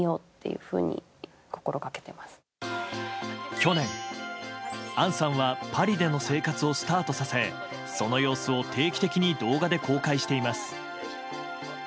去年、杏さんはパリでの生活をスタートさせその様子を定期的に動画で公開しています。